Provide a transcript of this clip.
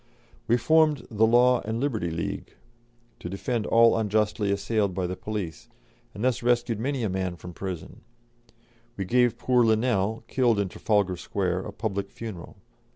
We formed the Law and Liberty League to defend all unjustly assailed by the police, and thus rescued many a man from prison; and we gave poor Linnell, killed in Trafalgar Square, a public funeral.